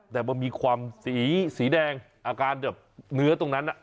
แต่มันมีความสีแดงอาการแบบเนื้อตรงนั้น